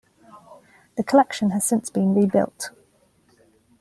The collection has since been rebuilt.